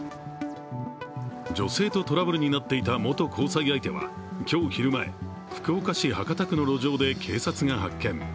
女性とトラブルになっていた元交際相手は今日昼前、福岡市博多区の路上で警察が発見。